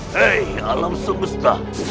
memang alam semesta